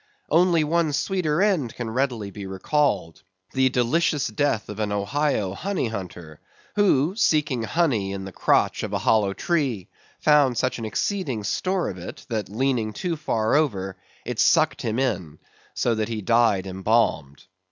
Only one sweeter end can readily be recalled—the delicious death of an Ohio honey hunter, who seeking honey in the crotch of a hollow tree, found such exceeding store of it, that leaning too far over, it sucked him in, so that he died embalmed.